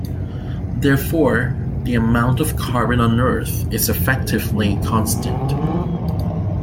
Therefore, the amount of carbon on Earth is effectively constant.